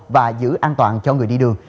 và giữ an toàn cho người đi đường